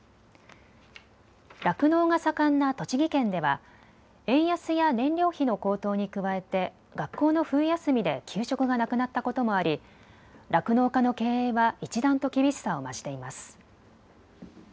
酪農が盛んな栃木県では円安や燃料費の高騰に加えて学校の冬休みで給食がなくなったこともあり、酪農家の経営は一段と厳しさを増しています。